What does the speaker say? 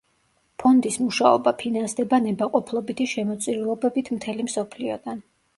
ფონდის მუშაობა ფინანსდება ნებაყოფლობითი შემოწირულობებით მთელი მსოფლიოდან.